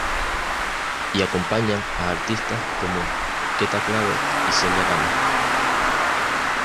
Y acompañan a artistas como Queta Claver y Celia Gámez.